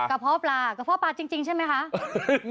เพาะปลากระเพาะปลาจริงใช่ไหมคะ